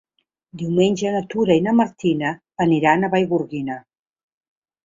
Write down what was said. Diumenge na Tura i na Martina aniran a Vallgorguina.